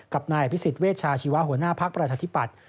กับนายอภิษฎเวชาชีวะหัวหน้าภักดิ์ประชาธิปัตย